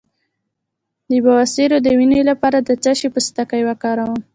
د بواسیر د وینې لپاره د څه شي پوستکی وکاروم؟